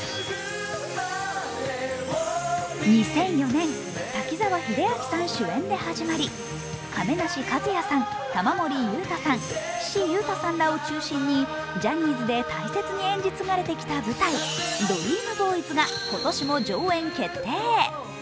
２００４年、滝沢秀明さん主演で始まり亀梨和也さん、玉森裕太さん、岸優太さんらを中心にジャニーズで大切に演じ継がれてきた「ＤＲＥＡＭＢＯＹＳ」が今年も上演決定。